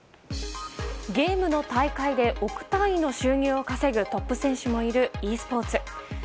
ゲームの大会で億単位の収入を稼ぐトップ選手もいるｅスポーツ。